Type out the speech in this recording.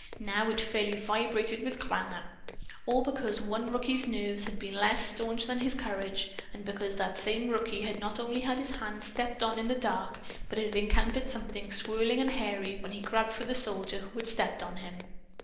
Now it fairly vibrated with clangor. All because one rookie's nerves had been less staunch than his courage, and because that same rookie had not only had his hand stepped on in the dark, but had encountered something swirling and hairy when he grabbed for the soldier who had stepped on him!